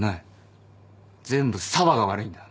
全部紗和が悪いんだ。